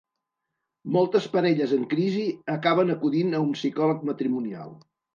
Moltes parelles en crisi acaben acudint a un psicòleg matrimonial.